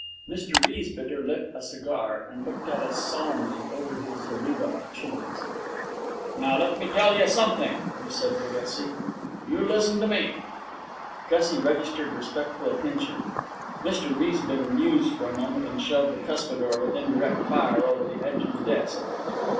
Mr Riesbitter lit a cigar, and looked at us solemnly over his zareba of chins. 'Now, let me tell ya something,' he said to Gussie. 'You lizzun t' me.' Gussie registered respectful attention. Mr Riesbitter mused for a moment and shelled the cuspidor with indirect fire over the edge of the desk.